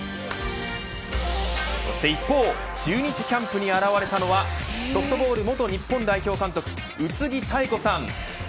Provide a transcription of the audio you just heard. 一方、中日キャンプに現れたのはソフトボール元日本代表監督宇津木妙子さん。